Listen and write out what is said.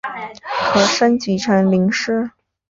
可升级成麟师。